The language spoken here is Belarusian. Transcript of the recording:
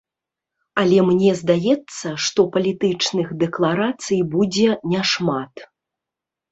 Але мне здаецца, што палітычных дэкларацый будзе няшмат.